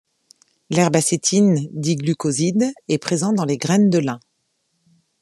L'herbacétine diglucoside est présent dans les graines de lin.